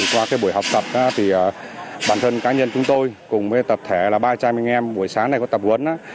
qua buổi học tập bản thân cá nhân chúng tôi cùng với tập thể ba trăm linh anh em buổi sáng này có tập huấn